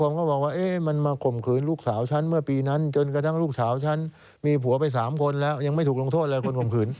ผมก็บอกว่ามันมาข่มขืนลูกสาวฉันเมื่อปีนั้นจนกระทั่งลูกสาวฉันมีผัวไป๓คนแล้วยังไม่ถูกลงโทษเลยคนข่มขืน